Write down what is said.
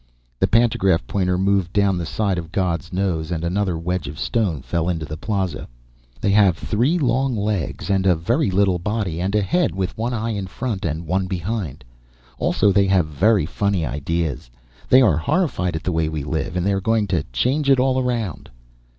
The pantograph pointer moved down the side of God's nose and another wedge of stone fell in the plaza. "They have three long legs, and a very little body, and a head with one eye in front and one behind. Also they have very funny ideas. They are horrified at the way we live, and they are going to change it all around."